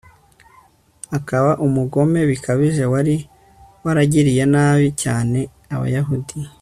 akaba umugome bikabije wari waragiriye nabi cyane abayahudi